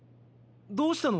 どうしたの？